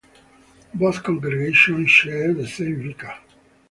Both congregations share the same vicar.